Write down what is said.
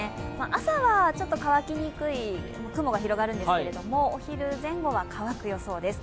朝はちょっと乾きにくい雲が広がるんですけれども、お昼前後は乾く予想です。